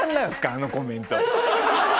あのコメント。